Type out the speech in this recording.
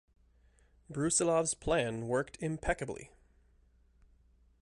Brusilov's plan worked impeccably.